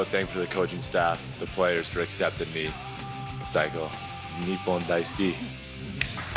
最高、日本大好き。